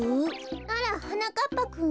あらはなかっぱくん。